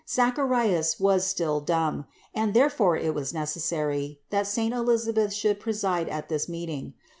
Zacharias was still dumb, and therefore it was necessary that saint Elisableth should preside at this meeting.